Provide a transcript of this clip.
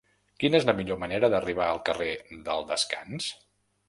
Quina és la millor manera d'arribar al carrer del Descans?